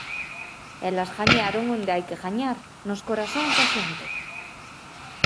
Elas gañaron onde hai que gañar, nos corazóns da xente.